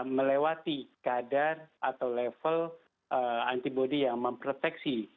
melewati kadar atau level antibody yang memproteksi